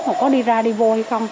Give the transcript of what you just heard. họ có đi ra đi vô hay không